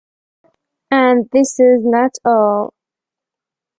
And this is not all.